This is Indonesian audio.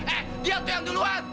eh dia tuh yang duluan